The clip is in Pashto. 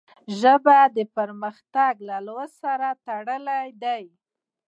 د ژبې پرمختګ له لوست سره تړلی دی.